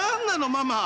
ママ。